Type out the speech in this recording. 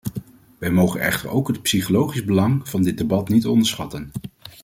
Wij mogen echter ook het psychologische belang van dit debat niet onderschatten.